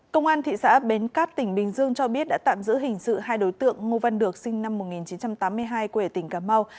công an thị xã bến cát tỉnh bình dương cho biết đã tạm giữ hình sự hai đối tượng ngô văn được sinh năm một nghìn chín trăm tám mươi hai quê ở tỉnh cà mau